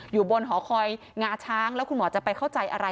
อยู่บนหอคอยงาช้างแล้วคุณหมอจะไปเข้าใจอะไร